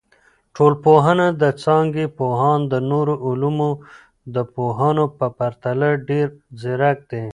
ټولنپوهنه د څانګي پوهان د نورو علومو د پوهانو په پرتله ډیر ځیرک دي.